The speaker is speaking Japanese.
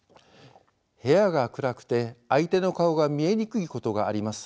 部屋が暗くて相手の顔が見えにくいことがあります。